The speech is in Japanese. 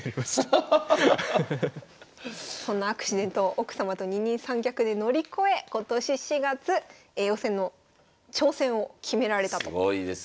そんなアクシデントを奥様と二人三脚で乗り越え今年４月叡王戦の挑戦を決められたということで。